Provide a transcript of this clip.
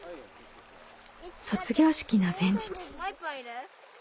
卒業式の前日。